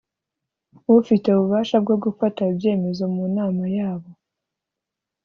Ufite ububasha bwo gufata ibyemezo mu nama yabo